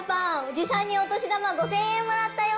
叔父さんにお年玉５０００円もらったよ。